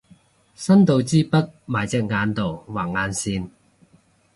伸到支筆埋隻眼度畫眼線